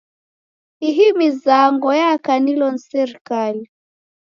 Ihi mizango yakanilo ni serikali.